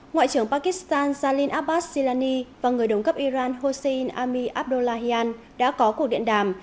ngoại trưởng pakistan jalil abbas jilani và người đồng cấp iran hossein ami abdullahian đã có cuộc điện đàm